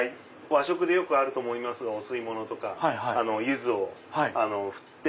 和食でよくあると思いますがお吸い物とかユズをふって。